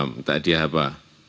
minta hadiah apa